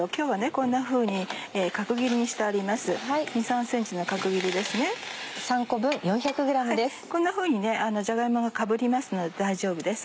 こんなふうにじゃが芋がかぶりますので大丈夫です。